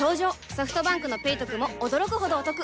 ソフトバンクの「ペイトク」も驚くほどおトク